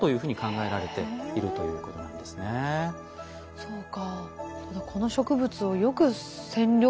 そうか。